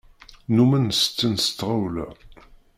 Nnumen tetten s tɣawla.